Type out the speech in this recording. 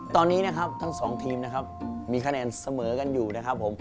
ตอนนี้นะครับทั้งสองทีมนะครับมีคะแนนเสมอกันอยู่นะครับผม